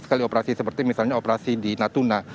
sekali operasi seperti misalnya operasi di natuna